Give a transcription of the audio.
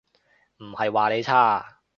唔係話你差